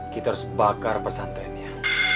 kita harus bakar pesantrennya